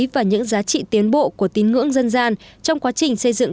và những giá trị tiến bộ của tín ngưỡng dân gian trong quá trình xây dựng